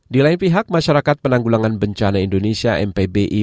di lain pihak masyarakat penanggulangan bencana indonesia mpbi